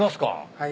はい。